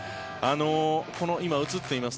この今、映っています